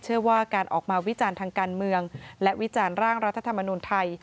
เชื่อว่าการออกมาวิจารณ์ทางการเมืองและวิจารณ์ร่างรัฐธรรมนุนไทย